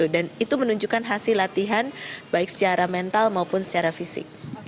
dan itu menunjukkan hasil latihan baik secara mental maupun secara fisik